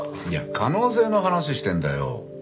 いや可能性の話してんだよ。